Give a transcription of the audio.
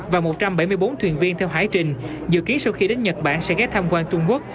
và một trăm bảy mươi bốn thuyền viên theo hải trình dự kiến sau khi đến nhật bản sẽ ghé tham quan trung quốc